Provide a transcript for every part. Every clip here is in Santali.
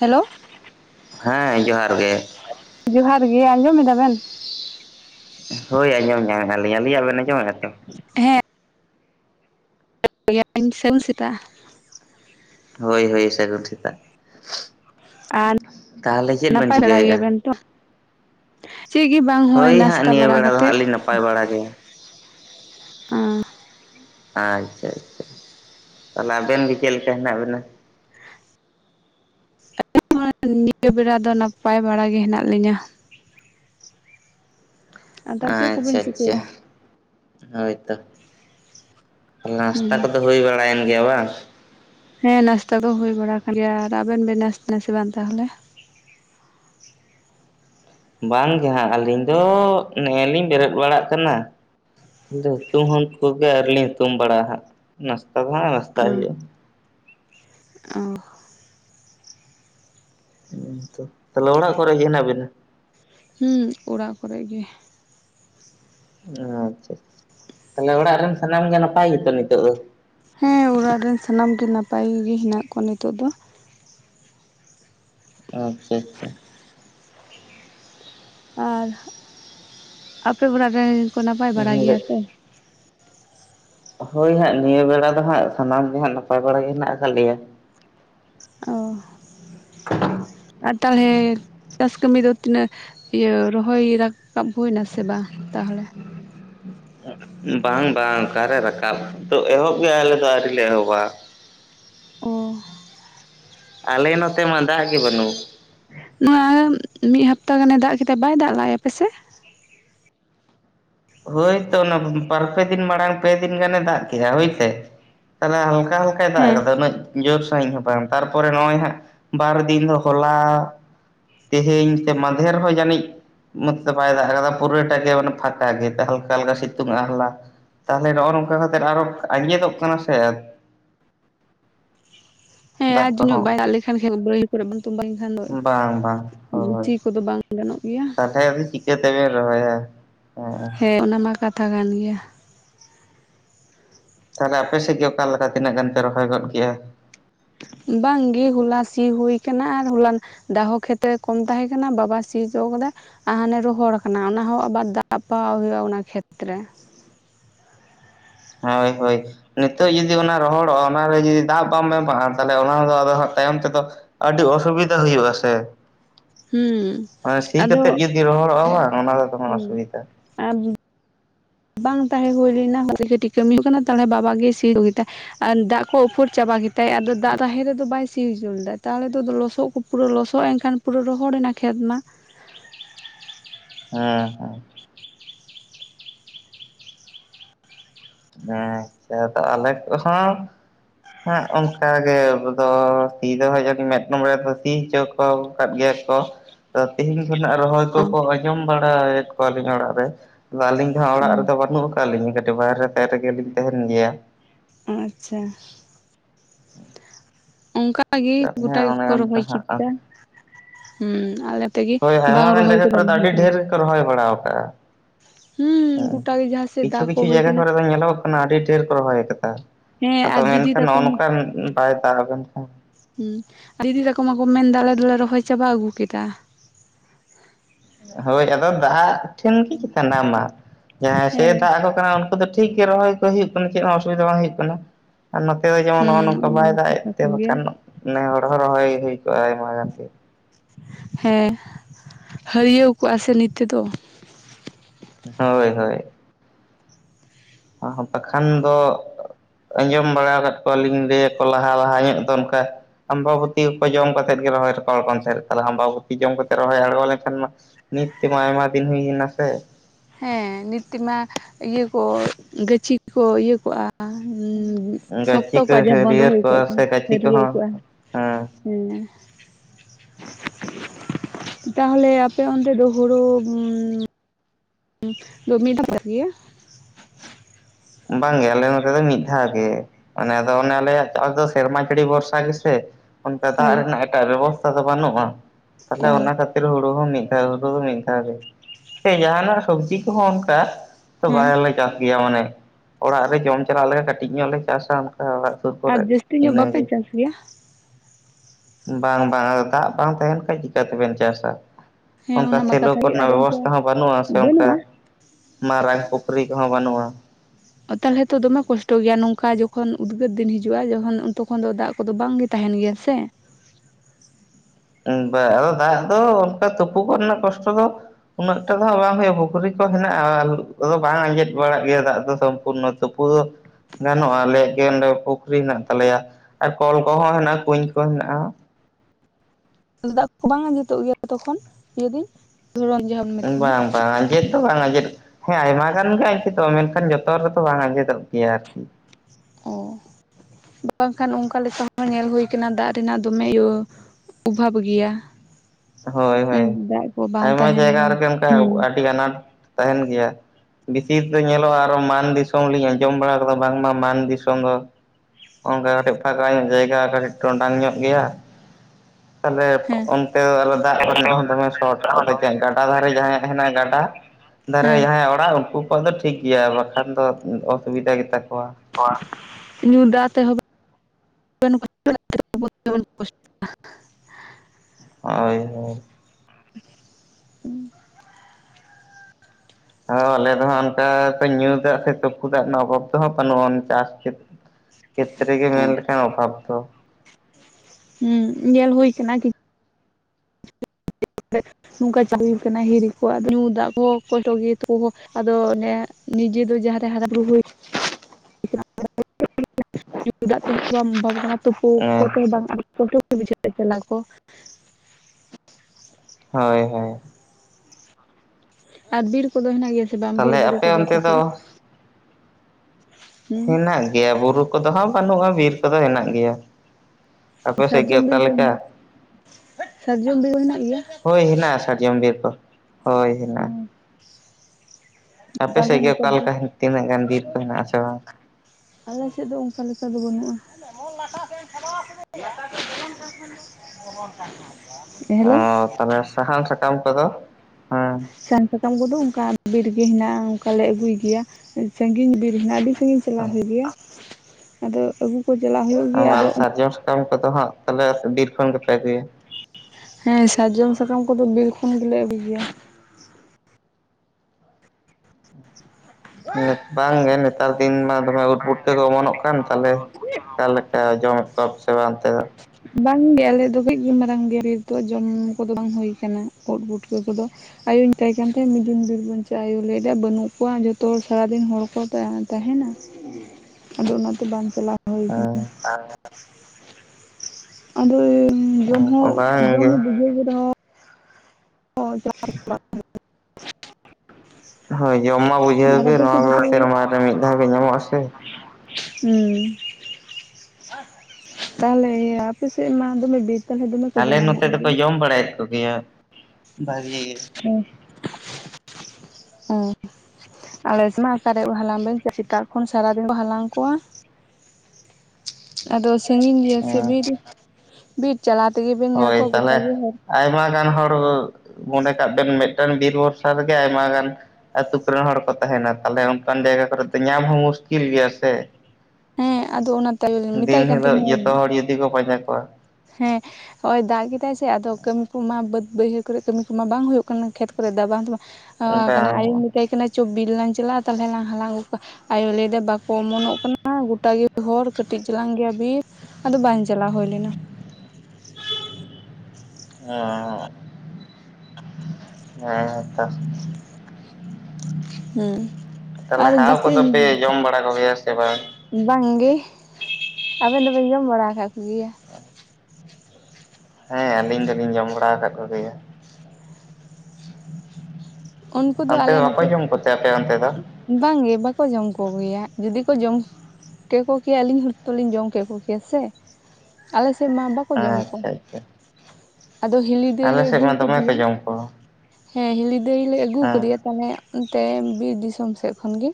[inaudible] ᱦᱮᱞᱳ ᱦᱮᱸ ᱡᱚᱦᱟᱨ ᱜᱮ ᱡᱚᱦᱟᱨ ᱜᱮ ᱟᱸᱡᱚᱢ ᱮᱫᱟ ᱵᱮᱱ ᱦᱳᱭ ᱟᱸᱡᱚᱢ ᱧᱟᱢ ᱮᱫᱟ ᱞᱤᱧ ᱟᱞᱤᱧ ᱟᱜ ᱵᱮᱱ ᱟᱸᱡᱚᱢ ᱮᱫᱟ ᱛᱚ ᱦᱮᱸ [unintelligible] ᱦᱳᱭ ᱦᱳᱭ ᱥᱟᱹᱜᱩᱱ ᱥᱮᱛᱟᱜ ᱟᱨ ᱛᱟᱦᱚᱞᱮ ᱪᱮᱫ ᱵᱮᱱ ᱱᱟᱯᱟᱭ ᱪᱤᱠᱟᱹᱭ ᱵᱟᱲᱟ ᱮᱜᱼᱟ ᱜᱮᱭᱟᱵᱮᱱ ᱛᱚ? ᱪᱮᱫ ᱜᱮ ᱵᱟᱝ ᱦᱚᱭ ᱦᱳᱭ ᱦᱟᱸᱜ ᱱᱟᱥᱛᱟ ᱱᱤᱭᱟᱹ ᱵᱟᱲᱟ ᱵᱮᱲᱟ ᱫᱚ ᱠᱟᱛᱮᱫ ᱦᱟᱸᱜ ᱞᱤᱧ ᱱᱟᱯᱟᱭ ᱵᱟᱲᱟ ᱜᱮ ᱟᱪᱪᱷᱟ ᱟᱪᱪᱷᱟ ᱛᱟᱦᱚᱞᱮ ᱟᱵᱮᱱ ᱜᱮ ᱪᱮᱫ ᱞᱮᱠᱟ ᱦᱮᱱᱟᱜ ᱵᱮᱱᱟ? [unintelligible] ᱱᱤᱭᱟᱹ ᱵᱮᱲᱟ ᱫᱚ ᱱᱟᱯᱟᱭ ᱵᱟᱲᱟ ᱜᱮ ᱦᱮᱱᱟᱜ ᱞᱤᱧᱟ [inaudible] ᱟᱫᱚ ᱪᱮᱫ ᱟᱪᱪᱷᱟ ᱠᱚᱵᱤᱱ ᱟᱪᱪᱷᱟ ᱪᱤᱠᱟᱹᱭᱫᱟ? ᱦᱳᱭ ᱛᱚ ᱛᱟᱦᱚᱞᱮ ᱱᱟᱥᱛᱟ ᱦᱩᱸ ᱠᱚᱫᱚ ᱦᱩᱭ ᱵᱟᱲᱟᱭᱮᱱ ᱜᱮᱭᱟ ᱵᱟᱝ ᱦᱮᱸ ᱱᱟᱥᱛᱟ ᱫᱚ ᱦᱩᱭ ᱵᱟᱲᱟ ᱟᱠᱟᱱ ᱜᱮᱭᱟ, ᱟᱨ ᱟᱵᱮᱱ ᱵᱮᱱ ᱱᱟᱥᱛᱟ ᱱᱟᱥᱮ ᱵᱟᱝ ᱛᱟᱦᱚᱞᱮ ᱵᱟᱝ ᱜᱮ ᱦᱟᱸᱜ ᱟᱹᱞᱤᱧ ᱫᱚ ᱱᱮᱜᱼᱮ ᱞᱤᱧ ᱵᱮᱨᱮᱫ ᱵᱟᱲᱟᱜ ᱠᱟᱱᱟ [unintelligible] ᱦᱩᱛᱩᱢ ᱦᱚᱸ ᱠᱚᱜᱮ ᱟᱹᱣᱨᱤ ᱞᱤᱧ ᱦᱩᱛᱩᱢ ᱵᱟᱲᱟᱜᱼᱟ ᱦᱟᱜ ᱱᱟᱥᱛᱟ ᱫᱚ ᱦᱟᱸᱜ ᱱᱟᱥᱛᱟᱭ ᱩᱦ ᱚᱦ ᱦᱩᱸ ᱛᱚ ᱛᱟᱦᱞᱮ ᱚᱲᱟᱜ ᱠᱚᱨᱮ ᱦᱮᱱᱟᱜ ᱵᱤᱱᱟ ᱦᱩᱸ ᱚᱲᱟᱜ ᱠᱚᱨᱮᱜ ᱜᱮ ᱟᱪᱪᱷᱟ ᱛᱟᱦᱞᱮ ᱚᱲᱟᱜ ᱨᱮᱱ ᱥᱟᱱᱟᱢ ᱜᱮ ᱱᱟᱯᱟᱭ ᱜᱮᱛᱚ ᱱᱤᱛᱚᱜ ᱫᱚ ᱦᱮᱸ ᱚᱲᱟᱜ ᱨᱮᱱ ᱥᱟᱱᱟᱢ ᱜᱮ ᱱᱟᱯᱟᱭ ᱜᱮ ᱦᱮᱱᱟᱜ ᱠᱚᱣᱟ ᱱᱤᱛᱚᱜ ᱫᱚ ᱟᱪᱪᱷᱟ ᱟᱪᱪᱷᱟ ᱟᱨ ᱟᱯᱮ ᱚᱲᱟᱜ ᱨᱮ ᱠᱚ ᱱᱟᱯᱟᱭ ᱵᱟᱲᱟ ᱟᱪᱪᱷᱟ ᱜᱮᱭᱟ ᱥᱮ ᱦᱳᱭ ᱦᱟᱸᱜ ᱱᱤᱭᱟᱹ ᱵᱮᱲᱟ ᱫᱚ ᱦᱟᱸᱜ ᱥᱟᱱᱟᱢ ᱜᱮ ᱦᱟᱸᱜ ᱱᱟᱯᱟᱭ ᱵᱮᱲᱟ ᱜᱮ ᱦᱮᱱᱟᱜ ᱟᱠᱟᱫ ᱞᱮᱭᱟ᱾ ᱚ ᱟᱨ ᱛᱟᱦᱚᱞᱮ ᱪᱟᱥ ᱠᱟᱹᱢᱤ ᱫᱚ ᱛᱤᱱᱟᱹᱜ ᱤᱭᱟᱹ ᱨᱚᱦᱚᱭ ᱨᱟᱠᱟᱵ ᱦᱩᱭᱱᱟ ᱥᱮ ᱵᱟᱝ ᱛᱟᱦᱚᱞᱮ ᱵᱟᱝ ᱵᱟᱝ ᱚᱠᱟᱨᱮ ᱨᱟᱠᱟᱵᱫᱚ ᱮᱦᱚᱵ ᱜᱮ ᱟᱞᱮ ᱫᱚ ᱟᱹᱣᱨᱤ ᱞᱮ ᱮᱦᱚᱵᱟ᱾ ᱚ ᱟᱞᱮ ᱱᱚᱛᱮ ᱢᱟ ᱫᱟᱜ-ᱜᱮ ᱵᱟᱹᱱᱩᱜ ᱱᱚᱣᱟ ᱢᱤᱫ ᱦᱟᱯᱛᱟ ᱜᱟᱱᱮ ᱫᱟᱜ ᱠᱮᱫᱟᱫ ᱵᱟᱭ ᱫᱟᱜ ᱞᱮᱫᱟ ᱟᱯᱮᱥᱮᱫ? ᱦᱳᱭᱛᱚ ᱚᱱᱟ ᱵᱟᱨᱯᱮ ᱫᱤᱱ ᱢᱟᱲᱟᱝ ᱯᱮ ᱫᱤᱱ ᱜᱟᱱᱮ ᱫᱟᱜ ᱠᱮᱜᱼᱟ ᱦᱳᱭᱥᱮ ᱛᱟᱦᱚᱞᱮ ᱦᱟᱞᱠᱟ ᱦᱟᱞᱠᱟᱭ ᱫᱟᱜ ᱦᱮᱸ ᱠᱟᱫᱟ ᱩᱱᱟᱹᱜ ᱡᱳᱨ ᱥᱟᱺᱦᱤᱡ ᱦᱟ ᱵᱟᱝ ᱛᱟᱨᱯᱚᱨᱮ ᱱᱚᱼᱚᱭ ᱦᱟᱸᱜ ᱵᱟᱨ ᱫᱤᱱ ᱫᱚ ᱦᱚᱞᱟ ᱛᱮᱦᱮᱧ ᱥᱮ ᱢᱟᱫᱷᱮᱨ ᱦᱚᱸ ᱡᱟᱹᱱᱤᱡ ᱱᱚᱛᱮ ᱵᱟᱭ ᱫᱟᱜ ᱠᱟᱫᱟ ᱯᱩᱨᱟᱹᱴᱟ ᱜᱮ ᱢᱟᱱᱮ ᱯᱷᱟᱠ [unintelligible] ᱦᱟᱞᱠᱟ ᱦᱟᱞᱠᱟ ᱥᱤᱛᱩᱝ ᱟᱦᱞᱟ ᱛᱟᱦᱚᱞᱮ ᱱᱚᱜᱼᱚ ᱱᱚᱝᱠᱟ ᱠᱟᱛᱮ ᱟᱨᱚ ᱟᱱᱡᱮᱫᱚᱜ ᱠᱟᱱᱟ ᱥᱮ [unintelligible] [unintelligible] ᱫᱟᱜ [unintelligible] ᱠᱚᱦᱚᱸ ᱵᱟᱭ [unintelligible] ᱞᱮᱠᱷᱟᱱ [unintelligible] [unintelligible] [unintelligible] [unintelligible] [unintelligible] ᱠᱷᱟᱱ ᱫᱚ ᱵᱟᱝ ᱵᱟᱝ ᱥᱤ ᱠᱚᱫᱚ ᱵᱟᱝ ᱜᱟᱱᱚᱜ ᱜᱮᱭᱟ [unintelligible] ᱦᱮᱸ ᱟᱫᱚ ᱠᱤ ᱪᱤᱠᱟᱹᱛᱮᱵᱮᱱ ᱨᱚᱦᱚᱭᱟ ᱦᱮᱸ ᱚᱱᱟ ᱢᱟ ᱠᱟᱛᱷᱟ ᱠᱟᱱ ᱜᱮᱭᱟ ᱛᱟᱦᱚᱞᱮ ᱟᱯᱮ ᱥᱮᱫ ᱜᱮ ᱚᱠᱟᱮ ᱞᱮᱠᱟ ᱛᱤᱱᱟᱹᱜ ᱜᱟᱱ ᱯᱮ ᱨᱚᱦᱚᱭ ᱜᱚᱫ ᱠᱮᱜᱼᱟ ᱵᱟᱝᱜᱮ ᱦᱚᱞᱟ ᱥᱤ ᱦᱩᱭ ᱟᱠᱟᱱᱟ ᱟᱨ ᱦᱚᱞᱟᱱ ᱫᱟᱜᱦᱚᱸ ᱠᱷᱮᱛᱨᱮ ᱠᱚᱢ ᱛᱟᱦᱮᱸ ᱠᱟᱱᱟ ᱵᱟᱵᱟ ᱥᱤ ᱦᱚᱪᱚ ᱠᱟᱫᱟᱭ ᱦᱟᱱᱮ ᱨᱚᱦᱚᱲ ᱠᱟᱱᱟ ᱚᱱᱟᱦᱚᱸ ᱟᱵᱟᱨ ᱫᱟᱜ ᱯᱟᱣᱟᱣ ᱦᱳᱭᱳᱜᱼᱟ ᱚᱱᱟ ᱠᱷᱮᱛᱨᱮ ᱦᱳᱭ ᱦᱳᱭ ᱱᱤᱛᱚᱜ ᱡᱩᱫᱤ ᱚᱱᱟ ᱨᱚᱦᱚᱲᱚᱜᱼᱟ ᱚᱱᱟᱨᱮ ᱡᱩᱫᱤ ᱫᱟᱜ ᱵᱟᱢ ᱮᱢᱟᱜᱼᱟ ᱛᱟᱦᱚᱞᱮ ᱚᱱᱟᱫᱚ ᱟᱫᱚ ᱦᱟᱸᱜ ᱛᱟᱭᱚᱢ ᱛᱮᱫᱚ ᱟᱹᱰᱤ ᱚᱥᱩᱵᱤᱫᱟ ᱦᱩᱭᱩᱜ ᱟ ᱥᱮ ᱦᱩᱸ ᱢᱟᱱᱮ ᱥᱤ ᱠᱟᱛᱮᱜ ᱟᱫᱚ ᱡᱩᱫᱤ ᱨᱚᱦᱚᱲᱚᱜᱼᱟ ᱵᱟᱝ ᱚᱱᱟ ᱫᱚ ᱛᱚᱠᱷᱚᱱ ᱦᱩᱸ ᱚᱥᱩᱵᱤᱫᱷᱟ᱾ ᱟᱨ [unintelligible] ᱵᱟᱝ ᱛᱟᱦᱮᱸ ᱦᱩᱭ ᱞᱮᱱᱟ ᱠᱟᱹᱴᱤᱡ ᱠᱟᱹᱴᱤᱢᱤ ᱥᱤ ᱦᱩᱭᱩᱜ ᱠᱟᱱᱟ ᱛᱟᱦᱚᱞᱮ ᱵᱟᱵᱟ ᱜᱮ ᱥᱤ ᱫᱟ ᱫᱟᱜ ᱠᱚ ᱩᱯᱷᱚᱨ ᱪᱟᱵᱟ ᱠᱮᱫᱛᱟᱭ ᱟᱫᱚ ᱫᱟᱜ ᱛᱟᱦᱮᱸᱱ ᱨᱮᱫᱚ ᱵᱟᱭ ᱥᱤ ᱦᱚᱪᱚ ᱞᱮᱫᱟ ᱛᱟᱦᱚᱞᱮᱛᱚ ᱟᱫᱚ ᱞᱚᱥᱚᱫ ᱯᱩᱨᱟᱹ ᱞᱚᱥᱚᱫ ᱮᱱᱠᱷᱟᱱ ᱯᱩᱨᱟᱹ ᱨᱚᱦᱚᱲᱮ ᱱᱟ ᱯᱩᱨᱟᱹᱠᱷᱮᱛ ᱢᱟ᱾ ᱦᱮᱸᱻ᱾ ᱦᱮᱸ ᱟᱪᱪᱷᱟ ᱟᱞᱮ ᱠᱚᱸᱦᱚ ᱦᱮᱸ ᱚᱱᱠᱟᱟᱜᱮ ᱟᱵᱚᱫᱚ ᱥᱤ ᱫᱚ ᱥᱤ ᱫᱚ ᱦᱟᱵᱤᱡ ᱢᱮᱫᱴᱟᱝ ᱵᱟᱨᱭᱟᱛᱚᱭ ᱥᱤ ᱦᱚᱪᱚ ᱠᱚᱨᱟᱨ ᱠᱟᱫ ᱜᱮᱭᱟ ᱠᱚ ᱛᱚ ᱛᱤᱦᱤᱧ ᱠᱷᱚᱱᱟᱜ ᱨᱚᱦᱚᱭ ᱠᱚᱠᱚ ᱟᱸᱡᱚᱢ ᱵᱟᱲᱟᱭᱮᱫ ᱠᱚᱣᱟᱞᱤᱧ ᱚᱲᱟᱜ ᱨᱮ ᱟᱫᱚ ᱟᱹᱞᱤᱧ ᱫᱚ ᱦᱟᱸᱜ ᱚᱲᱟᱜ ᱨᱮᱫᱚ ᱵᱟᱹᱱᱩᱜ ᱟᱠᱟᱫ ᱞᱤᱧᱟ ᱠᱟᱹᱴᱤᱡ ᱵᱟᱦᱨᱮ ᱥᱮᱫ ᱨᱮᱜᱮᱞᱤᱧ ᱛᱟᱦᱮᱱ ᱜᱮᱭᱟ᱾ ᱟᱪᱪᱷᱟ᱾ ᱚᱱᱠᱟ ᱜᱮ ᱛᱟᱦᱚᱞᱮ ᱜᱚᱴᱟ ᱚᱱᱮ ᱜᱮᱠᱚ ᱚᱱᱠᱟ ᱨᱚᱦᱚᱭ ᱦᱟᱸᱜ ᱠᱤᱫᱟ ᱦᱮᱸ ᱟᱞᱮ ᱛᱮᱜᱮ ᱦᱳᱭ ᱦᱳᱭ ᱵᱟᱝ ᱟᱭᱢᱟ ᱜᱟᱱ ᱨᱚᱦᱚᱭ ᱠᱚ ᱡᱟᱭᱜᱟ ᱠᱚᱨᱮ ᱵᱟᱝ ᱫᱚ ᱦᱩᱭ ᱟᱹᱰᱤ ᱠᱟᱱᱟ ᱰᱷᱮᱨ ᱜᱮᱠᱚ ᱨᱚᱦᱚᱭ ᱵᱟᱲᱟ ᱠᱟᱜᱼᱟ᱾ ᱦᱮᱸ ᱜᱚᱴᱟ ᱜᱮ ᱡᱟᱦᱟᱸ ᱥᱮᱫ ᱠᱤᱪᱷᱩ ᱫᱟᱜ ᱠᱚ ᱠᱤᱪᱷᱩ ᱦᱩᱭ ᱡᱟᱭᱜᱟ ᱠᱟᱱᱟ ᱠᱚᱨᱮ ᱫᱚ ᱧᱮᱞᱚᱜ ᱠᱟᱱᱟ ᱟᱹᱰᱤ ᱰᱷᱮᱨ ᱠᱚ ᱨᱚᱦᱚᱭ ᱠᱟᱫᱟ᱾ ᱦᱮᱸ ᱟᱫᱚ ᱟᱨ ᱫᱤᱫᱤ ᱢᱮᱱᱠᱷᱟᱱ ᱛᱟᱠᱚ ᱱᱚᱜᱼᱚ ᱱᱚᱝᱠᱟ ᱵᱟᱭ ᱫᱟᱜ ᱟᱵᱮᱱᱠᱷᱟᱱ ᱦᱩᱸᱟᱞᱮ ᱫᱤᱫᱤ ᱛᱟᱠᱚ ᱢᱟᱠᱚ ᱢᱮᱱᱫᱟ ᱟᱞᱮ ᱫᱚᱞᱮ ᱨᱚᱦᱚᱭ ᱪᱟᱵᱟ ᱟᱹᱜᱩ ᱠᱮᱫᱟ᱾ ᱦᱳᱭ ᱟᱫᱚ ᱫᱟᱜ ᱴᱷᱮᱱ ᱜᱮ ᱥᱟᱱᱟᱢᱟᱜ ᱡᱟᱦᱟᱸ ᱥᱮᱫ-ᱮ ᱦᱮᱸ ᱫᱟᱜ ᱩᱱᱠᱩ ᱫᱚ ᱴᱷᱤᱠ ᱜᱮ ᱨᱚᱦᱚᱭ ᱠᱚ ᱦᱩᱭᱩᱜ ᱠᱟᱱᱟ ᱪᱮᱫ ᱦᱚᱸ ᱚᱥᱩᱵᱤᱫᱟ ᱵᱟᱝ ᱦᱩᱭᱩᱜ ᱠᱟᱱᱟ᱾ ᱟᱨ ᱱᱚᱛᱮ ᱫᱚ ᱡᱮᱢᱚᱱ ᱦᱮᱸ ᱱᱚᱜᱼᱚ ᱱᱚᱝᱠᱟ ᱚᱱᱟ ᱵᱟᱭ ᱢᱟ ᱫᱟᱜ ᱮᱫ ᱠᱟᱛᱷᱟ ᱛᱮ ᱠᱟᱱ ᱜᱮᱭᱟ ᱵᱟᱠᱷᱟᱱ ᱱᱮ ᱦᱚᱲ ᱦᱚᱸ ᱨᱚᱦᱚᱭ ᱦᱩᱭ ᱠᱚᱜᱼᱟ ᱟᱭᱢᱟ ᱜᱟᱱ ᱜᱮ ᱦᱮᱸ ᱦᱟᱹᱭᱟᱹᱣ ᱠᱚᱜᱼᱟ ᱥᱮ ᱱᱤᱛ ᱛᱮᱫᱚ᱾ ᱦᱳᱭᱻ ᱦᱳᱭᱻ᱾ ᱵᱟᱠᱷᱟᱱ ᱫᱚ ᱟᱸᱡᱚᱢ ᱵᱟᱲᱟ ᱠᱟᱫ ᱠᱚᱣᱟᱞᱤᱧ ᱞᱟᱹᱭᱟᱠᱚ ᱞᱟᱦᱟ ᱞᱟᱦᱟ ᱧᱚᱜ ᱫᱚ ᱚᱱᱠᱟ ᱟᱢᱵᱟᱵᱚᱹᱛᱤ ᱠᱚ ᱡᱚᱢ ᱠᱟᱛᱮᱜ ᱜᱮ ᱨᱚᱦᱚᱭ ᱨᱟᱠ ᱠᱟᱱ ᱛᱟᱦᱮᱸᱱᱟ ᱛᱟᱦᱚᱞᱮ ᱟᱢᱵᱟᱵᱟᱵᱚᱛᱤ ᱡᱚᱢ ᱠᱟᱛᱮᱫ ᱨᱚᱦᱚᱭ ᱟᱬᱜᱚ ᱞᱮᱱᱠᱷᱟᱱ ᱢᱟ ᱱᱤᱛ ᱛᱮᱢᱟ ᱟᱭᱢᱟ ᱫᱤᱱ ᱦᱩᱭ ᱱᱟᱥᱮ ᱦᱮᱸ ᱱᱤᱛ ᱛᱮᱢᱟ ᱤᱭᱟᱹ ᱠᱚ ᱜᱟᱹᱪᱷᱤ ᱠᱚ ᱤᱭᱟᱹ ᱠᱚᱜᱼᱟ᱾ ᱵᱟᱝ ᱥᱚᱠᱛᱚ ᱜᱟᱹᱪᱷᱤ ᱠᱚ ᱠᱚᱜ-ᱟ ᱡᱟᱦᱟ ᱦᱟᱹᱨᱭᱟᱹᱲ ᱵᱟᱱᱰᱳᱦᱤ ᱠᱚ ᱠᱚᱜᱼᱟ, ᱠᱷᱟᱱ ᱥᱮ ᱜᱟᱹᱪᱷᱤ ᱦᱟᱹᱨᱤᱭᱟᱹ ᱠᱚᱦᱚᱸ ᱠᱚᱜᱼᱟ᱾ ᱦᱮᱸ ᱦᱮᱸ ᱛᱟᱦᱚᱞᱮ ᱟᱯᱮ ᱚᱱᱛᱮ ᱫᱚ ᱦᱩᱲᱳ ᱩᱸᱻ᱾ [unintelligible] [unintelligible] [unintelligible] ᱵᱟᱝᱜᱮ ᱟᱞᱮ ᱱᱚᱛᱮ ᱫᱚ ᱢᱤᱫ ᱫᱷᱟᱣ ᱜᱮ᱾ ᱚᱱᱮ ᱟᱫᱚ ᱚᱱᱮ ᱟᱞᱮᱭᱟᱜ ᱪᱟᱥ ᱫᱚ ᱥᱮᱨᱢᱟ ᱡᱟᱹᱲᱤ ᱵᱷᱚᱨᱥᱟ ᱜᱮᱥᱮ ᱚᱱᱠᱟ ᱫᱟᱜ ᱦᱮᱸ ᱨᱮᱱᱟᱜ ᱮᱴᱟᱜ ᱵᱮᱵᱚᱥᱛᱷᱟ ᱫᱚ ᱵᱟᱹᱱᱩᱜᱼᱟ ᱛᱟᱦᱚᱞᱮ ᱚ ᱚᱱᱟ ᱠᱷᱟᱹᱛᱤᱨ ᱦᱩᱲᱩ ᱦᱚᱸ ᱢᱤᱫ ᱪᱟᱥ ᱫᱚ ᱢᱤᱫ ᱫᱷᱟᱣ ᱜᱮ ᱡᱟᱦᱟᱱᱟᱜ ᱥᱟᱴᱚᱵᱡᱤ ᱠᱚᱦᱚ ᱚᱱᱠᱟ ᱛᱚ ᱦᱮᱸ ᱵᱟᱭᱨᱮ ᱞᱮ ᱪᱟᱜ ᱜᱮᱭᱟ ᱢᱟᱱᱮ, ᱚᱲᱟᱜ ᱨᱮ ᱡᱚᱢ ᱪᱟᱞᱟᱜ ᱞᱮᱠᱟ ᱠᱟᱹᱴᱤᱡ ᱧᱚᱜ ᱞᱮ ᱪᱟᱥᱟ ᱚᱱᱠᱟ ᱚᱲᱟᱜ ᱫᱩᱣᱟᱹᱨ ᱟᱨ ᱠᱚᱨᱮ ᱡᱟᱹᱥᱛᱤ ᱧᱚᱜ ᱤᱱᱟᱹᱜᱮ ᱵᱟᱯᱮ ᱪᱟᱥ ᱜᱮᱭᱟ ᱵᱟᱝ ᱵᱟᱝ ᱟᱫᱚ ᱫᱟᱜ ᱵᱟᱝ ᱛᱟᱦᱮᱱ ᱠᱷᱟᱡ ᱪᱤᱠᱟᱹ ᱛᱮᱵᱮᱱ ᱪᱟᱥᱟ ᱦᱮᱸ ᱚᱱᱠᱟ ᱚᱱᱟᱢᱟ ᱥᱮᱞᱳ ᱠᱟᱛᱷᱟ ᱠᱚ ᱜᱮ ᱨᱮᱱᱟᱜ ᱟᱨ ᱚᱱᱠᱟ ᱵᱮᱵᱚᱥᱛᱷᱟ ᱦᱚᱸ ᱵᱟᱹᱱᱩᱜᱼᱟ ᱥᱮ ᱚᱱᱠᱟ ᱢᱟᱨᱟᱝ ᱯᱩᱠᱷᱨᱤ ᱠᱚᱦᱚᱸ ᱵᱟᱹᱱᱩᱜᱼᱟ᱾ ᱛᱟᱦᱚᱞᱮ ᱛᱚ ᱫᱚᱢᱮ ᱠᱚᱥᱴᱚ ᱜᱮᱭᱟ ᱱᱚᱝᱠᱟ ᱡᱚᱠᱷᱚᱱ ᱩᱫᱽᱜᱟᱹᱨ ᱫᱤᱱ ᱦᱤᱡᱩᱜᱼᱟ ᱡᱚᱠᱷᱚᱱ ᱩᱱ ᱛᱚᱠᱷᱚᱱ ᱫᱚ ᱫᱟᱜ ᱠᱚᱫᱚ ᱵᱟᱝ ᱜᱮ ᱛᱟᱦᱮᱱ ᱜᱮᱭᱟ ᱥᱮ᱾ ᱱᱟ ᱟᱫᱚ ᱫᱟᱜ ᱫᱚ ᱚᱱᱠᱟ ᱛᱳᱯᱳ ᱠᱚ ᱨᱮᱱᱟᱜ ᱠᱚᱥᱴᱚ ᱫᱚ ᱩᱱᱟᱹᱜ ᱴᱟ ᱫᱚ ᱵᱟᱝ ᱦᱩᱭᱩᱜᱼᱟ ᱯᱩᱠᱷᱨᱤ ᱠᱚ ᱦᱮᱱᱟᱜᱼᱟ ᱟᱫᱚ ᱵᱟᱝ ᱟᱸᱡᱮᱫ ᱵᱟᱲᱟᱜ ᱜᱮᱭᱟ ᱫᱟᱜ ᱫᱚ ᱥᱚᱢᱯᱩᱨᱱᱚ ᱠᱩᱫᱚ ᱜᱟᱱᱚᱜᱼᱟ ᱟᱞᱮᱭᱟᱜ ᱜᱮ ᱚᱸᱰᱮ ᱯᱩᱠᱷᱨᱤ ᱦᱮᱱᱟᱜ ᱛᱟᱞᱮᱭᱟ ᱟᱨ ᱠᱚᱞ ᱠᱚᱦᱚᱸ ᱦᱮᱱᱟᱜᱼᱟ ᱠᱩᱧ ᱠᱚ ᱦᱮᱱᱟᱜᱼᱟ᱾ ᱫᱟᱜ ᱠᱚ ᱵᱟᱝ ᱟᱸᱡᱮᱛᱚᱜ ᱜᱮᱭᱟ ᱛᱚᱠᱷᱚᱱ ᱞᱟᱹᱭ ᱫᱟᱹᱤᱧ ᱫᱷᱚᱨᱚᱱ ᱡᱟᱦᱟᱸ ᱵᱚᱱ ᱢᱮᱛᱟᱜ ᱠᱟᱱᱟ ᱵᱟᱝ ᱵᱟᱝ ᱟᱸᱡᱮᱫ ᱫᱚ ᱵᱟᱝ ᱟᱸᱡᱮᱫ ᱦᱮᱸ ᱟᱭᱢᱟ ᱜᱟᱱ ᱜᱮ ᱟᱸᱡᱮᱫᱚᱜᱼᱟ᱾ ᱢᱮᱱᱠᱷᱟᱱ ᱡᱚᱛᱚ ᱨᱮᱫᱚ ᱵᱟᱝ ᱟᱸᱡᱮᱫᱚᱜ ᱜᱮᱭᱟ ᱟᱨᱠᱤ ᱚ ᱵᱟᱝᱠᱷᱟᱱ ᱚᱱᱠᱟ ᱞᱮᱠᱟ ᱦᱚᱸ ᱧᱮᱞ ᱦᱩᱭ ᱠᱟᱱᱟ ᱫᱟᱜ ᱨᱮᱱᱟᱜ ᱫᱚᱢᱮ ᱤᱭᱟᱹ᱾ ᱚᱵᱷᱟᱵ ᱜᱮᱭᱟ᱾ ᱦᱳᱭ ᱦᱳᱭ ᱫᱟᱜ ᱠᱚ ᱵᱟᱝ ᱟᱭᱢᱟ ᱛᱟᱦᱮᱱ ᱡᱟᱭᱜᱟ ᱦᱩᱸ ᱨᱮᱜᱮ ᱚᱱᱠᱟ ᱟᱹᱰᱤ ᱟᱱᱟᱴ ᱛᱟᱦᱮᱱ ᱜᱮᱭᱟ᱾ ᱵᱮᱥᱤ ᱛᱮ ᱧᱮᱞᱚᱜᱼᱟ ᱟᱨ ᱢᱟᱱ ᱫᱤᱥᱚᱢ ᱞᱤᱧ ᱟᱸᱡᱚᱢ ᱵᱟᱲᱟᱣ ᱠᱟᱫᱟ ᱵᱟᱝᱢᱟ ᱢᱟᱱ ᱫᱤᱥᱚᱢ ᱫᱚ, ᱚᱱᱠᱟ ᱠᱟᱹᱴᱤᱡ ᱯᱷᱟᱠᱟ ᱧᱚᱜ ᱡᱟᱭᱜᱟ ᱟᱨ ᱠᱟᱴᱤᱡ ᱴᱚᱸᱰᱟᱝ ᱧᱚᱜ ᱜᱮᱭᱟ᱾ ᱛᱟᱦᱞᱮ ᱦᱮᱸ ᱚᱱᱛᱮ ᱫᱚ ᱟᱨᱚ ᱫᱟᱜ ᱠᱚᱨᱮᱱᱟᱜ ᱦᱚᱸ ᱫᱚᱢᱮ ᱥᱚᱨᱚᱴ ᱟᱫᱚ ᱡᱟ ᱰᱟᱰᱟ ᱫᱷᱟᱨᱮ ᱡᱟᱦᱟᱸᱭᱟᱜ ᱦᱮᱱᱟᱜᱼᱟ ᱜᱟᱰᱟ᱾ ᱫᱟᱨᱮ ᱦᱮᱸ ᱡᱟᱦᱟᱸᱭᱟᱜ ᱚᱲᱟᱜ ᱩᱱᱠᱩ ᱠᱚᱣᱟᱜ ᱫᱚ ᱴᱷᱤᱠ ᱜᱮᱭᱟ ᱵᱟᱠᱷᱟᱱ ᱫᱚ ᱩᱸ ᱚᱥᱩᱵᱤᱫᱟ ᱜᱮᱛᱟ ᱠᱚᱣᱟ᱾ ᱵᱟ ᱧᱩ ᱫᱟᱜ ᱛᱮᱦᱚᱸ [inaudible] ᱟᱭ ᱦᱳᱭ᱾ ᱦᱚᱸ ᱟᱞᱮ ᱫᱚ ᱦᱟᱸᱜ ᱚᱱᱠᱟ ᱛᱚ ᱧᱩ ᱫᱟᱜ ᱥᱮ ᱛᱳᱯᱩᱫ ᱫᱟᱜ ᱨᱮᱱᱟᱜ ᱚᱵᱷᱟᱵᱽ ᱫᱚ ᱦᱟᱸᱜ ᱵᱟᱹᱱᱩᱜ, ᱚᱱ ᱪᱟᱥ ᱛᱮᱫ [inaudible] ᱠᱷᱮᱛ ᱨᱮᱜᱮ ᱢᱮᱱ ᱞᱮᱠᱷᱟᱱ ᱚᱵᱷᱟᱵᱽ ᱫᱚ᱾ ᱦᱩᱸ ᱧᱮᱞ ᱦᱩᱭ ᱠᱟᱱᱟ ᱠᱤ [inaudible] ᱱᱚᱝᱠᱟ ᱪᱟᱹᱪᱩᱣ ᱠᱟᱱᱟ ᱦᱤᱨᱤ ᱠᱚ ᱟᱫᱚ ᱧᱩᱭ ᱫᱟᱜ ᱠᱚ ᱛᱚᱴᱚ ᱜᱮ ᱛᱟᱠᱩ ᱫᱚ ᱟᱫᱚ ᱚᱱᱮ ᱱᱤᱡᱮ ᱫᱚ ᱡᱟᱦᱟᱸ ᱨᱮ ᱦᱟᱨᱟ ᱵᱩᱨᱩ ᱦᱩᱭ [inaudible] ᱧᱩᱭ ᱫᱟᱜ ᱛᱮ ᱵᱟᱢ ᱚᱵᱷᱟᱵ ᱠᱟᱱᱟ ᱛᱩᱯᱩ ᱠᱚᱛᱮ ᱟᱪᱪᱷᱟ ᱵᱟᱝ ᱟᱨᱩᱯ [inaudible] ᱵᱩᱡᱷᱟᱜᱼᱟ ᱪᱟᱞᱟᱜ ᱠᱚ᱾ ᱦᱳᱭ ᱦᱳᱭ᱾ ᱟᱨ ᱵᱤᱨ ᱠᱚᱫᱚ ᱦᱮᱱᱟᱜ ᱜᱮᱭᱟ ᱥᱮ ᱵᱟᱝ ᱛᱟᱦᱚᱞᱮ ᱵᱤᱨᱼᱵᱩᱨᱩ ᱠᱚᱫᱚ ᱚᱱᱛᱮ ᱟᱯᱮ ᱫᱚ ᱥᱮ ᱚ᱾ ᱦᱮᱱᱟᱜ ᱜᱮᱭᱟ ᱵᱩᱨᱩ ᱠᱚᱫᱚ ᱦᱟᱸᱜ ᱵᱟᱹᱱᱩᱜᱼᱟ ᱵᱤᱨ ᱠᱚᱫᱚ ᱦᱮᱱᱟᱜ ᱜᱮᱭᱟ᱾ ᱟᱯᱮ ᱥᱮᱫ ᱜᱮ ᱥᱟᱨᱡᱚᱢ ᱚᱠᱟ ᱵᱤᱨ ᱠᱚ ᱞᱮᱠᱟ ᱢᱮᱱᱟ, ᱥᱟᱨᱡᱚᱢ ᱵᱤᱨ ᱦᱚᱸ ᱢᱮᱱᱟᱜ ᱜᱮᱭᱟ? ᱦᱳᱭ ᱦᱮᱱᱟᱜᱼᱟ ᱥᱟᱨᱡᱚᱢ ᱵᱤᱨ ᱠᱚ᱾ ᱦᱳᱭ ᱦᱮᱱᱟᱜᱼᱟ᱾ ᱟᱯᱮ ᱛᱟᱦᱚᱞᱮ ᱥᱮᱫ ᱜᱮ ᱚᱠᱟ ᱱᱮᱛᱟᱨ ᱫᱚ ᱞᱮᱠᱟ ᱛᱤᱱᱟᱹᱜ ᱜᱟᱱ ᱵᱤᱨ ᱠᱚ ᱦᱮᱱᱟᱜ ᱟᱥᱮ ᱵᱟᱝ ᱟᱞᱮ ᱥᱮᱫ ᱫᱚ ᱚᱱᱠᱟ ᱞᱮᱠᱟ ᱫᱚ ᱵᱟᱹᱱᱩᱜᱼᱟ ᱞᱟᱴᱟ ᱥᱮᱫ ᱪᱟᱵᱟᱣ ᱟᱠᱟᱱᱟ ᱵᱚᱞ [inaudible] ᱚ ᱛᱟᱦᱞᱮ ᱥᱟᱦᱟᱱ ᱥᱟᱠᱟᱢ ᱠᱚᱫᱚ ᱦᱮᱸ ᱥᱟᱱ ᱥᱟᱠᱟᱢ ᱠᱚᱫᱚ ᱚᱱᱠᱟ ᱵᱤᱨ ᱜᱮ ᱦᱮᱱᱟᱜᱼᱟ ᱚᱱᱠᱟ ᱞᱮ ᱟᱹᱜᱩᱭ ᱜᱮᱭᱟ ᱥᱟᱜᱤᱧ ᱵᱤᱨ ᱦᱮᱱᱟᱜᱼᱟ ᱟᱹᱰᱤ ᱥᱟᱸᱜᱤᱧ ᱪᱟᱞᱟᱣ ᱦᱩᱭᱩᱜ ᱜᱮᱭᱟ, ᱟᱫᱚ ᱟᱹᱜᱩ ᱠᱚ ᱪᱟᱞᱟᱣ ᱦᱩᱭᱩᱜ, ᱜᱮᱭᱟ ᱟᱢᱟᱞ ᱟᱫᱚ ᱥᱟᱨᱡᱚᱢ ᱥᱟᱠᱟᱢ ᱠᱚᱫᱚ ᱦᱟᱸᱜ ᱛᱟᱞᱮ ᱵᱤᱨ ᱠᱷᱚᱱ ᱜᱮᱯᱮ ᱟᱹᱜᱩᱭᱟ? ᱦᱮᱸ, ᱥᱟᱡᱡᱚᱢ ᱥᱟᱠᱟᱢ ᱠᱚᱫᱚ ᱵᱤᱨ ᱠᱷᱚᱱ ᱜᱮᱞᱮ ᱟᱹᱜᱩᱭ ᱜᱮᱭᱟ᱾ [unintelligible] ᱵᱟᱝ ᱜᱮ ᱱᱮᱛᱟᱨ ᱫᱤᱱ ᱢᱟ ᱫᱚᱢᱮ ᱯᱩᱴᱼᱼ ᱯᱩᱴᱠᱟᱹ ᱠᱚ ᱚᱢᱚᱱᱚᱜ ᱠᱟᱱ ᱛᱟᱦᱚᱞᱮ ᱚᱠᱟ ᱞᱮᱠᱟ ᱡᱚᱢᱮᱫ ᱠᱚᱣᱟ ᱥᱮ ᱵᱟᱝ ᱚᱱᱛᱮ ᱫᱚ ᱵᱟᱝ ᱜᱮ ᱟᱞᱮ ᱫᱚ ᱠᱟᱹᱡᱜ ᱢᱟᱨᱟᱝ ᱜᱮᱭᱟ ᱱᱤᱛᱚᱜ ᱡᱚᱢ ᱠᱚᱫᱚ ᱵᱟᱝ ᱦᱩᱭ ᱠᱟᱱᱟ ᱩᱫ ᱯᱩᱴᱠᱟᱹ ᱠᱚᱫᱚ ᱟᱭᱳᱧ ᱢᱮᱛ ᱠᱟᱱ ᱛᱟᱦᱮᱸᱫ ᱢᱤᱫ ᱫᱤᱱ ᱵᱤᱨ ᱵᱚᱱᱧᱪ ᱟᱭᱳ ᱞᱟᱹᱭᱫᱭᱟ ᱵᱟᱹᱱᱩᱜ ᱠᱚᱣᱟ ᱡᱚᱛᱚ ᱦᱚᱲ ᱥᱟᱨᱟᱫᱤᱱ ᱦᱚᱲ ᱠᱚ ᱛᱟᱦᱮᱱᱟ᱾ ᱟᱫᱚ ᱚᱱᱟᱛᱮ ᱵᱟᱝ ᱪᱟᱞᱟᱣ ᱦᱩᱭ ᱠᱟᱱᱟ ᱟᱫᱚ ᱡᱚᱢ ᱦᱚᱸ ᱦᱮᱸ ᱡᱚᱢ ᱦᱚᱸ ᱵᱟᱝᱜᱮ ᱵᱩᱡᱟᱹᱣ ᱜᱮ ᱨᱮᱦᱚ, ᱦᱳᱭ [inaudible] ᱦᱳᱭ, ᱡᱚᱢ ᱢᱟ ᱵᱩᱡᱷᱟᱹᱣ ᱜᱮ, ᱱᱚᱣᱟ ᱠᱚ ᱥᱮᱨᱢᱟ ᱨᱮ ᱢᱤᱫ ᱫᱷᱟᱣ ᱜᱮ ᱧᱟᱢᱚᱜᱼᱟ, ᱥᱮ᱾ ᱩᱸ, ᱛᱟᱦᱞᱮ ᱤᱭᱟᱹ ᱟᱯᱮ ᱥᱮᱜ ᱢᱟ ᱫᱚᱢᱮ ᱵᱤᱡ ᱟᱞᱮ ᱱᱚᱛᱮ ᱫᱚᱠᱚ ᱡᱚᱢ ᱵᱟᱲᱟᱭᱮᱫ ᱠᱚᱜᱮᱭᱟ ᱵᱷᱟᱜᱤ ᱜᱮ, ᱦᱩᱸ, ᱚ ᱾ ᱟᱞᱮ ᱥᱮᱫᱢᱟ ᱚᱠᱟᱨᱮ ᱩᱫ ᱦᱟᱞᱟᱝ ᱵᱮᱱ ᱥᱮ ᱥᱮᱛᱟᱜ ᱠᱷᱚᱱ ᱥᱟᱨᱟᱫᱤᱱ ᱵᱚᱱ ᱦᱟᱞᱟᱝ ᱠᱚᱣᱟ, ᱟᱫᱚ ᱥᱟᱺᱜᱤᱧ ᱜᱮᱭᱟ ᱥᱮ ᱦᱮᱸ ᱵᱤᱨ, ᱵᱤᱨ ᱪᱟᱞᱟᱣ ᱛᱮᱜᱮ ᱵᱮᱱ ᱧᱮᱞ ᱦᱳᱭ ᱠᱚᱣᱟ ᱜᱚᱴᱟᱮ ᱛᱟᱦᱚᱞᱮ ᱦᱚᱲ, ᱟᱭᱢᱟ ᱜᱟᱱ ᱦᱚᱲ ᱢᱚᱱᱮ ᱠᱟᱜ ᱵᱮᱱ ᱢᱤᱫᱴᱟᱝ ᱵᱤᱨ ᱵᱷᱚᱨᱥᱟ ᱨᱮᱜᱮ ᱟᱭᱢᱟ ᱜᱟᱱ, ᱟᱛᱩ ᱠᱚᱨᱮᱱ ᱦᱚᱲ ᱠᱚ ᱛᱟᱦᱮᱸᱱᱟ ᱛᱟᱦᱞᱮ ᱚᱱᱠᱟᱱ ᱡᱟᱭᱜᱟ ᱠᱚᱨᱮ ᱫᱚ ᱧᱟᱢ ᱦᱚᱸ ᱢᱩᱥᱠᱤᱞ ᱜᱮᱭᱟ ᱥᱮ, ᱦᱮᱸ ᱟᱫᱚ ᱚᱱᱟ ᱫᱤᱱ ᱦᱤᱞᱳᱜ ᱡᱚᱛᱚ ᱦᱚᱲ ᱡᱩᱫᱤ ᱠᱚ ᱯᱟᱸᱡᱟ ᱠᱚᱣᱟ, ᱦᱮᱸ ᱾ ᱱᱚᱜᱼᱚᱭ ᱫᱟᱜ ᱠᱮᱫᱟᱭ ᱥᱮ ᱟᱫᱚ ᱠᱟᱹᱢᱤ ᱠᱚᱢᱟ ᱵᱟᱹᱫ ᱵᱟᱹᱭᱦᱟᱹᱲ ᱠᱚᱨᱮ ᱠᱟᱹᱢᱤ ᱠᱚᱢᱟ ᱵᱟᱝ ᱦᱩᱭᱩᱜ ᱠᱟᱱᱟ, ᱠᱷᱮᱛ ᱠᱚᱨᱮ ᱫᱟᱜ ᱵᱟᱝ ᱛᱚᱸᱵᱟ ᱦᱟᱶᱟᱣ ᱠᱟᱱᱟ ᱟᱭᱳᱭ ᱵᱟᱝ ᱢᱮᱛᱟᱭ ᱠᱟᱱᱟ ᱪᱚ ᱵᱤᱨ ᱞᱟᱝ ᱪᱟᱞᱟᱜᱼᱟ ᱛᱟᱞᱦᱮ ᱞᱟᱝ ᱦᱟᱞᱟᱝ ᱟᱹᱜᱩ ᱠᱚᱣᱟ ᱾ ᱟᱭᱳᱭ ᱞᱟᱹᱭ ᱫᱟᱭ ᱵᱟᱠᱚ ᱚᱢᱚᱱᱚᱜ ᱠᱟᱱᱟ ᱜᱚᱴᱟ ᱜᱮ ᱦᱚᱲ ᱠᱟᱹᱴᱤᱡ ᱪᱟᱞᱟᱝ ᱜᱮᱭᱟ ᱵᱤᱨ, ᱟᱫᱚ ᱵᱟᱝ ᱪᱟᱞᱟᱣ ᱦᱳᱭ ᱞᱮᱱᱟ, [inaudible] ᱚᱻ ᱦᱮᱸ ᱛᱚ ᱦᱮᱸ ᱾ ᱛᱟᱦᱚᱞᱮ ᱟᱨ ᱦᱟᱣ ᱠᱚᱫᱚ ᱯᱮ ᱡᱚᱢ ᱵᱟᱲᱟ ᱠᱚᱜᱮᱭᱟ ᱥᱮ ᱵᱟᱝ? ᱵᱟᱝ ᱜᱮ, ᱟᱵᱮᱱ ᱫᱚᱵᱮᱱ ᱡᱚᱢ ᱵᱟᱲᱟ ᱟᱠᱟᱫ ᱠᱚ ᱜᱮᱭᱟ? ᱦᱮᱸ ᱟᱞᱤᱧ ᱫᱚᱞᱤᱧ ᱡᱚᱢ ᱵᱟᱲᱟ ᱟᱠᱟᱫ ᱠᱚᱜᱮᱭᱟ, ᱩᱱᱠᱩ ᱚᱱᱛᱮ ᱫᱚ ᱵᱟᱠᱚ ᱡᱮᱢ ᱠᱚᱚᱛ ᱟᱯᱮ ᱚᱱᱛᱮ ᱫᱚ, ᱵᱟᱝ ᱜᱮ ᱵᱟᱠᱚ ᱡᱚᱢ ᱠᱚᱜᱮᱭᱟ ᱡᱩᱫᱤ ᱠᱚ ᱡᱚᱢ ᱠᱮ ᱠᱚ ᱠᱮᱭᱟ ᱟᱹᱞᱤᱧ ᱦᱚᱛᱚ ᱞᱤᱧ ᱡᱚᱢ ᱠᱮ ᱠᱚ ᱠᱮᱭᱟ ᱥᱮ ᱟᱞᱮ ᱥᱮᱫ ᱢᱟ ᱵᱟ ᱟᱪᱪᱷᱟ ᱟᱪᱪᱷᱟ ᱾ ᱟᱫᱚ ᱦᱤᱞᱤ ᱫᱟᱹᱭ ᱞᱮ ᱟᱹᱜᱩ ᱫᱚᱢᱮ ᱠᱚ ᱠᱟᱫᱮᱭᱟ, ᱡᱚᱢ ᱠᱚ ᱦᱮᱸ ᱦᱤᱞᱤ ᱫᱟᱹᱭ ᱞᱮ ᱟᱹᱜᱩ ᱦᱮᱸ ᱠᱟᱫᱮᱭᱟ ᱛᱟᱦᱞᱮ ᱚᱱᱛᱮ ᱵᱤᱨ ᱫᱤᱥᱚᱢ ᱥᱮᱫ ᱠᱷᱚᱱ ᱜᱮ,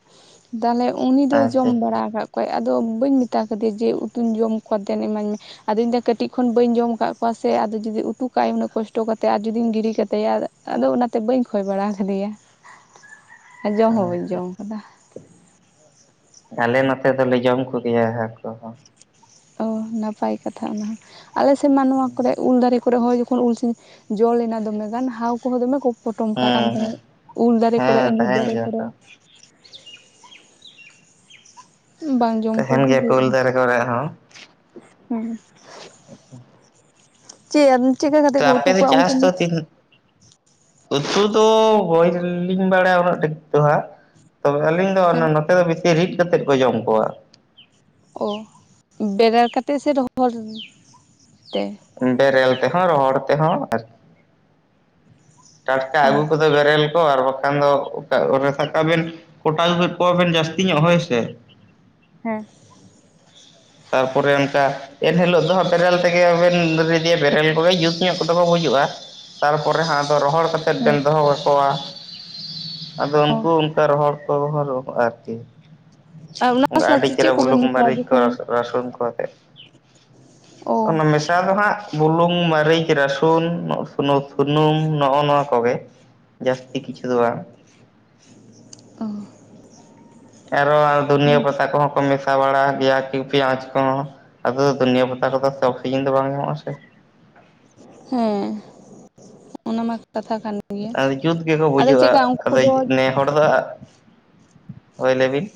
ᱛᱟᱞᱮ ᱩᱱᱤ ᱫᱚᱭ ᱟᱪᱪᱷᱟ ᱡᱚᱢ ᱟᱪᱪᱷᱟ ᱵᱟᱲᱟ ᱠᱟᱫ ᱠᱚᱣᱟᱭ ᱟᱫᱚ ᱵᱟᱹᱧ ᱢᱮᱛᱟ ᱠᱟᱫᱮᱭᱟ ᱡᱮ ᱩᱛᱩᱧ ᱡᱚᱢ ᱠᱚᱣᱟ ᱫᱮᱱ ᱤᱢᱟᱹᱧ ᱢᱮ, ᱟᱫᱚ ᱤᱧ ᱫᱚ ᱠᱟᱹᱴᱤᱡ ᱠᱷᱚᱱ ᱵᱟᱹᱧ ᱡᱚᱢ ᱟᱠᱟᱫ ᱠᱚᱣᱟ ᱥᱮ, ᱟᱫᱚ ᱡᱩᱫᱤ ᱩᱛᱩ ᱠᱟᱜᱼᱟᱭ ᱩᱱᱟᱹᱜ ᱠᱚᱥᱴᱚ ᱠᱟᱛᱮᱫ ᱟᱨ ᱡᱩᱫᱤᱧ ᱜᱤᱰᱤ ᱠᱟᱛᱟᱭᱟ ᱟᱫᱚ ᱚᱱᱟᱛᱮ ᱵᱟᱹᱧ ᱠᱷᱚᱭ ᱵᱟᱲᱟ ᱟᱠᱟᱫᱮᱭᱟ ᱟᱨ ᱡᱚᱢ ᱦᱚᱸ ᱵᱟᱹᱧ ᱟᱪᱪᱷᱟ ᱡᱚᱢ ᱟᱠᱟᱫᱟ, ᱟᱞᱮ ᱱᱚᱛᱮ ᱫᱚᱞᱮ ᱡᱚᱢ ᱠᱚᱜᱮᱭᱟ ᱦᱟᱹᱠᱩ ᱦᱚᱸ ᱚ ᱱᱟᱯᱟᱭ ᱠᱟᱛᱷᱟ ᱚᱱᱟ, ᱟᱞᱮ ᱥᱮᱫ ᱢᱟ ᱱᱚᱣᱟ ᱠᱚᱨᱮ ᱩᱞ ᱫᱟᱨᱮ ᱠᱚᱨᱮ ᱦᱚᱸ ᱡᱚᱠᱷᱚᱱ ᱩᱞ ᱥᱤᱧ ᱡᱚ ᱞᱮᱱᱟ ᱫᱚᱢᱮ ᱜᱟᱱ ᱦᱟᱣ ᱠᱚᱦᱚᱸ ᱫᱚᱢᱮ ᱠᱚ ᱯᱚᱴᱚᱢ ᱠᱟᱜ ᱠᱟᱱ ᱦᱮᱸ ᱦᱮᱸ ᱛᱟᱦᱮᱸᱜ ᱩᱞ ᱫᱟᱨᱮ ᱠᱚᱨᱮ ᱦᱮᱸ ᱟᱸᱡᱤᱨ ᱛᱟᱦᱮᱱ ᱫᱟᱨᱮ ᱜᱮᱭᱟ ᱠᱚᱨᱮ᱾ ᱠᱚ ᱵᱟᱝ ᱡᱚᱢ ᱛᱟᱦᱮᱸᱱ ᱠᱚᱜᱮ ᱜᱮᱭᱟ ᱯᱮ ᱩᱞ ᱫᱟᱨᱮ ᱠᱚᱨᱮ ᱦᱚᱸ᱾ ᱦᱩᱸ᱾ ᱪᱮᱜ ᱟᱢ ᱪᱮᱜᱠᱟ ᱠᱟ ᱛᱚ ᱟᱯᱮ ᱫᱚ ᱪᱟᱥ ᱛᱚ ᱛᱤᱱ ᱩᱛᱩ ᱫᱚ ᱦᱳᱭ ᱞᱤᱧ ᱵᱟᱲᱟ ᱩᱱᱟᱹᱜ ᱴᱷᱤᱠ ᱫᱚ ᱦᱟᱸᱜ᱾ ᱛᱚᱵᱮ ᱟᱹᱞᱤᱧ ᱫᱚ ᱦᱮᱸ ᱱᱚ-ᱱᱚᱛᱮ ᱫᱚ ᱵᱮᱥᱤ ᱨᱤᱫᱽ ᱠᱟᱛᱮᱜ ᱠᱚ ᱡᱚᱢ ᱠᱚᱣᱟ᱾ ᱚ, ᱵᱮᱨᱮᱞ ᱠᱟᱛᱮᱜ ᱥᱮ ᱨᱚᱦᱚᱲ ᱛᱮ? ᱵᱮᱨᱮᱞ ᱛᱮᱦᱚᱸ ᱨᱚᱦᱚᱸᱲ ᱛᱮᱦᱚᱸ ᱟᱨ ᱴᱟᱴᱠᱟ ᱚ ᱟᱹᱜᱩ ᱠᱚᱫᱚ ᱵᱮᱨᱮᱞ ᱠᱚ ᱟᱨ ᱵᱟᱠᱷᱟᱱ ᱫᱚ ᱚᱠᱟ ᱠᱚᱨᱮ ᱥᱟᱵ ᱠᱟᱜ ᱵᱮᱱ ᱠᱚᱴᱟ ᱟᱹᱜᱩ ᱠᱮᱫ ᱠᱚᱣᱟᱵᱤᱱ ᱡᱟᱹᱥᱛᱤ ᱧᱚᱜ ᱦᱳᱭ ᱥᱮ, ᱦᱮᱸ ᱾ ᱛᱟᱨᱯᱚᱨᱮ ᱚᱱᱠᱟ ᱮᱱ ᱦᱤᱞᱳᱜ ᱫᱚ ᱦᱟᱸᱜ ᱵᱮᱨᱮᱞ ᱛᱮᱜᱮ ᱵᱮᱱ ᱨᱤᱫᱤᱭᱟ ᱵᱮᱨᱮᱞ ᱠᱚ ᱜᱮ ᱡᱩᱛ ᱧᱚᱜ ᱠᱚᱫᱚ ᱠᱚ ᱜᱩᱡᱩᱜᱼᱟ᱾ ᱛᱟᱨᱯᱚᱨᱮ ᱦᱚᱸ ᱟᱫᱚ ᱨᱚᱦᱚᱲ ᱠᱟᱛᱮᱫ ᱦᱮᱸ ᱵᱮᱱ ᱫᱚᱦᱚ ᱠᱟᱠᱚᱣᱟ᱾ ᱟᱫᱚ ᱩᱱᱠᱩ ᱚᱱᱠᱟ ᱨᱚᱦᱚᱲ ᱠᱚ ᱨᱚᱦᱚᱲ ᱠᱚ ᱟᱨ ᱠᱤ᱾ ᱟᱨ ᱚᱱᱟ ᱟ. ᱥᱟᱶ ᱰᱤ ᱪᱮᱫ ᱪᱮᱨᱦᱟ ᱠᱚᱵᱮᱱ ᱵᱩᱞᱩᱝ ᱢᱮᱥᱟᱭᱟ ᱢᱟᱨᱤᱡ ᱠᱚ ᱡᱚᱠᱷᱚᱱ ᱨᱟᱥᱚ ᱨᱟᱥᱩᱱ ᱠᱚ ᱟᱛᱮ, ᱚ ᱚᱱᱟ ᱢᱮᱥ ᱪᱟ ᱫᱚ ᱦᱟᱸᱜ ᱵᱩᱞᱩᱝ, ᱢᱟᱨᱤᱪ, ᱨᱟᱹᱥᱩᱱ, ᱥᱩᱱᱩᱛ-ᱥᱩᱱᱩᱢ ᱱᱚᱜᱼᱚ ᱱᱚᱣᱟ ᱠᱚᱜᱮ᱾ ᱡᱟᱹᱥᱛᱤ ᱠᱤᱪᱷᱩ ᱫᱚ ᱵᱟᱝ᱾ ᱚᱼᱦᱮᱸ ᱟᱨᱦᱚᱸ ᱫᱷᱩᱱᱤᱭᱟᱹ ᱯᱟᱛᱟ ᱠᱚᱦᱚᱸ ᱠᱚ ᱢᱮᱥᱟ ᱵᱟᱹᱲᱟ ᱜᱮᱹᱭᱟ ᱯᱮᱸᱭᱟᱡᱽ ᱠᱚᱦᱚᱸ ᱟᱫᱚ ᱫᱷᱩᱱᱤᱭᱟᱹ ᱯᱟᱛᱟ ᱠᱚᱫᱚᱹ ᱥᱤᱡᱤᱱ ᱫᱚ ᱵᱟᱝᱹ ᱧᱟᱢᱚᱜ ᱟ ᱥᱮ ᱦᱮᱸ ᱚᱱᱟ ᱢᱟ ᱠᱟᱛᱷᱟ ᱠᱟᱱ᱾ ᱜᱮᱭᱟ ᱟᱫᱚ ᱡᱩᱛ ᱜᱮᱠᱚ ᱟᱫᱚ ᱵᱩᱡᱩᱜᱼᱟ ᱪᱮᱫᱠᱟ ᱩᱱᱠᱩ ᱟᱼᱫᱚᱭ ᱫᱚ ᱱᱮ ᱦᱚᱲ ᱫᱚ ᱟᱜ, ᱦᱳᱭ ᱞᱟᱹᱭ ᱵᱤᱱ᱾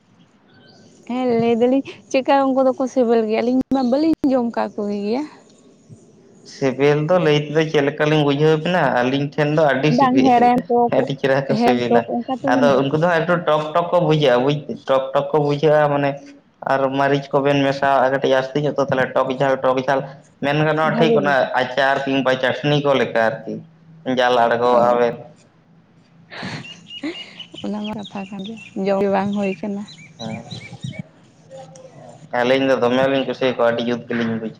[inaudible] ᱦᱮᱸ ᱞᱟᱹᱭ ᱫᱟᱞᱤᱧ ᱪᱮᱜᱠᱟ ᱩᱱᱠᱩ ᱫᱚᱠᱚ ᱥᱮᱵᱮᱞ ᱜᱮᱭᱟ? ᱟᱹᱞᱤᱧ ᱢᱟ ᱵᱟᱹᱞᱤᱧ ᱡᱚᱢ ᱠᱟᱜ ᱠᱚ ᱜᱮᱭᱟ᱾ ᱥᱤᱵᱤᱞ ᱫᱚ ᱞᱟᱹᱭ ᱛᱮᱫᱚ ᱪᱮᱫ ᱞᱮᱠᱟ ᱞᱤᱧ ᱵᱩᱡᱷᱟᱹᱣ ᱵᱮᱱᱟ ᱟᱹᱞᱤᱧ ᱴᱷᱮᱱ ᱫᱚ ᱟ ᱟᱹᱰᱤ ᱵᱟᱝ ᱦᱮᱲᱮᱢ ᱥᱤᱵᱤᱞ ᱴᱚᱠ ᱟᱹᱰᱤ ᱪᱮᱨᱦᱟ ᱠᱚ ᱦᱮᱲᱮᱢ ᱥᱤᱵᱤᱞᱟ ᱴᱚᱠ ᱚᱱᱠᱟ ᱛᱚ ᱟᱫᱚ ᱦᱮᱱᱟᱜ ᱩᱱᱠᱩ ᱫᱚ ᱦᱟᱸ ᱟᱴᱩ ᱴᱚᱠᱼᱴᱚᱠ ᱠᱚ ᱵᱩᱡᱷᱟᱹᱜᱼᱟ ᱵᱩᱡ ᱴᱚᱠᱼᱴᱚᱠ ᱠᱚ ᱵᱩᱡᱷᱟᱹᱜᱼᱟ ᱢᱟᱱᱮ ᱟᱨ ᱢᱟᱨᱤᱪ ᱠᱚ ᱵᱮᱱ ᱢᱮᱥᱟᱣᱟᱜᱼᱟ ᱠᱟᱹᱴᱤᱡ ᱡᱟᱥᱛᱤ ᱧᱚᱜ ᱛᱚ ᱛᱟᱦᱚᱞᱮ ᱴᱚᱠ ᱡᱷᱟᱞ ᱴᱚᱠ ᱡᱷᱟᱞ ᱢᱮᱱ ᱜᱟᱱᱚᱜᱼᱟ ᱴᱷᱤᱠ ᱵᱷᱟᱜᱮ ᱚᱱᱟ ᱵᱩᱡᱷᱟᱹᱜ ᱟᱪᱟᱨ ᱛᱤᱝᱹᱵᱟ ᱪᱟᱴᱱᱤᱹ ᱠᱚ ᱞᱮ ᱞᱮᱠᱟ ᱟᱨᱹᱠᱤ ᱡᱟᱞᱲᱼᱜᱩ ᱟᱼᱵᱮᱧ ᱚᱱᱟᱹᱢᱟ ᱠᱟᱛᱷᱟᱹ ᱠᱟᱱ ᱜᱮᱹᱭᱟ ᱡᱚᱢ ᱜᱮ ᱵᱟᱝᱹ ᱦᱩᱭᱹ ᱠᱟᱱᱟ ᱦᱸ ᱟᱹᱞᱤᱧ ᱫᱚ ᱫᱚᱢᱮ ᱞᱤᱧ ᱠᱩᱥᱤᱭᱟᱠᱚᱣᱟ ᱟᱹᱰᱤ ᱡᱩᱛ ᱜᱮᱹᱞᱤᱧ ᱵᱩᱡᱟᱹ